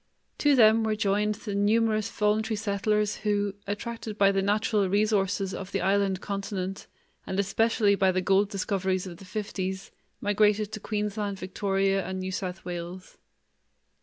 To them were joined the numerous voluntary settlers who, attracted by the natural resources of the island continent and especially by the gold discoveries of the fifties, migrated to Queensland, Victoria, and New South Wales.